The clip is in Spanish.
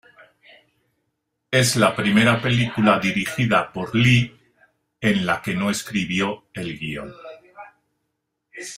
Es la primera película dirigida por Lee en la que no escribió el guión.